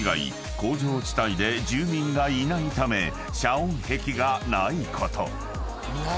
工場地帯で住民がいないため遮音壁がないこと］